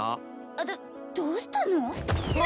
どどうしたの？わ！